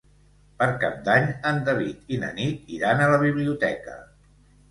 Per Cap d'Any en David i na Nit iran a la biblioteca.